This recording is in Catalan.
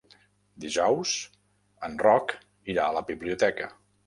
Dijous en Roc irà a la biblioteca.